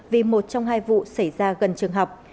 vì một trong hai vụ xảy ra gần trường học